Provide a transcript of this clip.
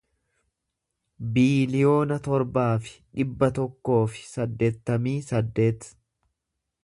biiliyoona torbaa fi dhibba tokkoo fi saddeettamii saddeet